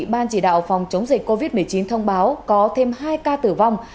ban chỉ đạo phòng chống dịch covid một mươi chín thông báo có thêm hai ca tử vong